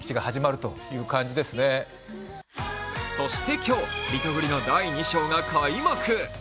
そして今日、リトグリの第２章が開幕。